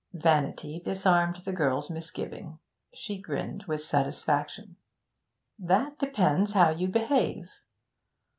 Vanity disarmed the girl's misgiving. She grinned with satisfaction. 'That depends how you behave.'